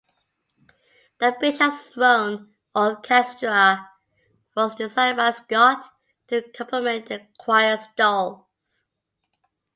The bishop's throne or "cathedra" was designed by Scott to complement the choir stalls.